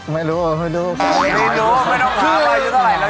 ไม่รู้ไม่แน็ทนี่รู้ว่าไม่ต้องตราบเราอายุเท่าไหร่